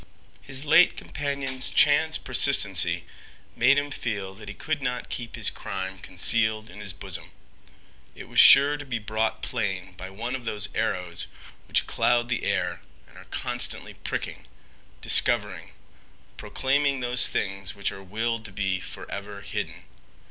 His late companion's chance persistency made him feel that he could not keep his crime concealed in his bosom. It was sure to be brought plain by one of those arrows which cloud the air and are constantly pricking, discovering, proclaiming those things which are willed to be forever hidden.